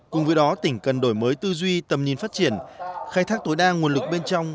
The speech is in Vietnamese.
cùng với đó tỉnh cần đổi mới tư duy tầm nhìn phát triển khai thác tối đa nguồn lực bên trong